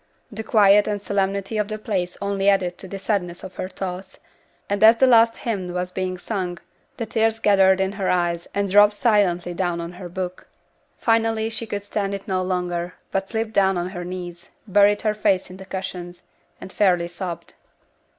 The quiet and solemnity of the place only added to the sadness of her thoughts, and as the last hymn was being sung, the tears gathered in her eyes and dropped silently down on her book. Finally she could stand it no longer, but slipped down on her knees, buried her face in the cushions, and fairly sobbed.